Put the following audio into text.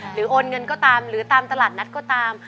โอนเงินก็ตามหรือตามตลาดนัดก็ตาม